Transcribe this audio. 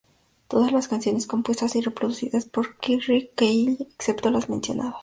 Todas las canciones compuestas y producidas por R. Kelly, excepto las mencionadas.